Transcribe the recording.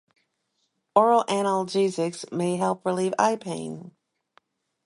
Oral analgesics may help relieve eye pain.